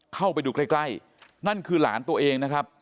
เข้าไปดูใกล้ใกล้นั่นคือหลานตัวเองนะครับ